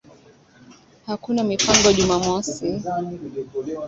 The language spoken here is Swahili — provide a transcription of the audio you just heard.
hakuna mipango Jumamosi